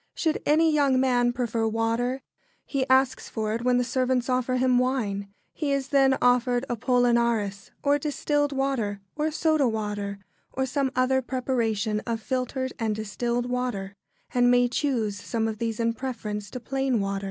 Should any young man prefer water, he asks for it when the servants offer him wine. He is then offered Apollinaris or distilled water or soda water, or some other preparation of filtered and distilled water, and may choose some of these in preference to plain water.